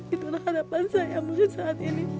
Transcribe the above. itulah harapan saya mungkin saat ini